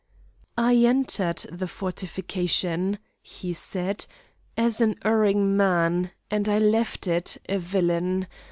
"I entered the fortification," he said, "as an erring man, and I left it a villain.